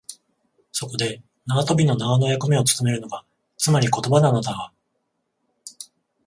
そこで縄跳びの縄の役目をつとめるのが、つまり言葉なのだが、